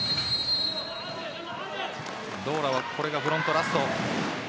ドーラはこれがフロントラスト。